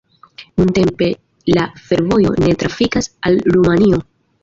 Nuntempe la fervojo ne trafikas al Rumanio.